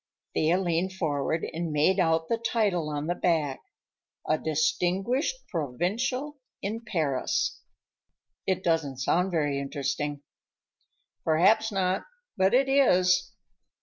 Thea leaned forward and made out the title on the back, "A Distinguished Provincial in Paris." "It doesn't sound very interesting." "Perhaps not, but it is."